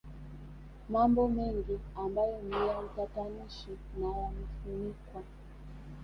Mambo mengi ambayo ni ya utatanishi na yamefunikwa